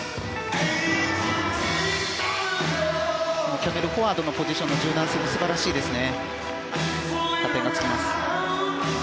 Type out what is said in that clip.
キャメルフォワードのポジションの柔軟性も素晴らしいですね。